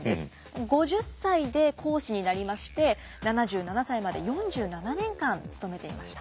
５０歳で講師になりまして７７歳まで４７年間勤めていました。